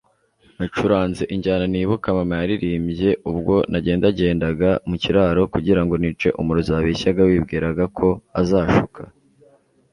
Nacuranze injyana nibuka mama yaririmbye ubwo nagendagendaga mu kiraro kugira ngo nice umurozi wabeshya wibwiraga ko azashuka.